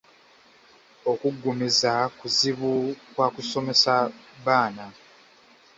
Okuggumiza kuzibu kwa kusomsesa baana.